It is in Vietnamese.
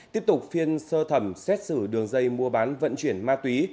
tiếp tục phiên sơ thẩm xét xử đường dây mua bán vận chuyển ma túy